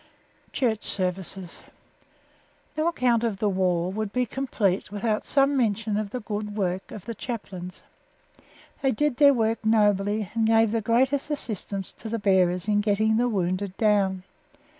CHURCH SERVICES No account of the war would be complete without some mention of the good work of the chaplains. They did their work nobly, and gave the greatest assistance to the bearers in getting the wounded down.